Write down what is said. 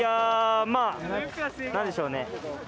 なんでしょうね。